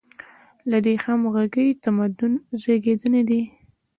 له دې همغږۍ تمدن زېږېدلی دی.